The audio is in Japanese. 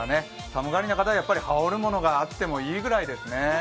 寒がりな方は羽織るものがあってもいいくらいですね。